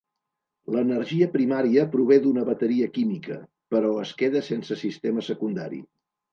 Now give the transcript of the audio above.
L'energia primària prové d'una bateria química, però es queda sense sistema secundari.